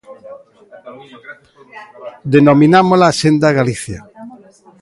Denominámola Axenda Galicia.